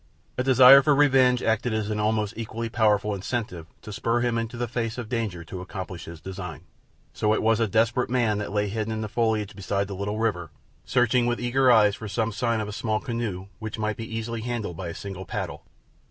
A desire for revenge acted as an almost equally powerful incentive to spur him into the face of danger to accomplish his design, so that it was a desperate man that lay hidden in the foliage beside the little river searching with eager eyes for some sign of a small canoe which might be easily handled by a single paddle.